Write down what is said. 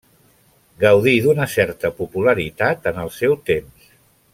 Gaudí d'una certa popularitat en el seu temps.